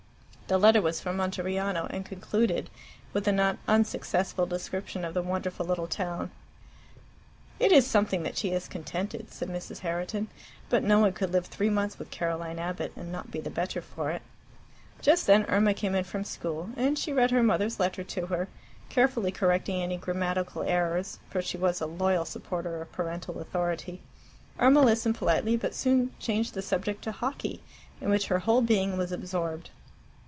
The letter was from Monteriano, and concluded with a not unsuccessful description of the wonderful little town. "It is something that she is contented," said Mrs. Herriton. "But no one could live three months with Caroline Abbott and not be the better for it." Just then Irma came in from school, and she read her mother's letter to her, carefully correcting any grammatical errors, for she was a loyal supporter of parental authority Irma listened politely, but soon changed the subject to hockey, in which her whole being was absorbed.